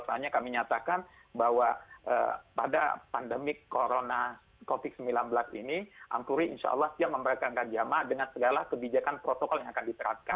dan kami menyatakan bahwa pada pandemik corona covid sembilan belas ini ampuri insya allah sudah memberikan jemaah dengan segala kebijakan protokol yang akan diterapkan